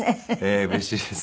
うれしいです。